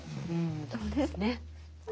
そうですね。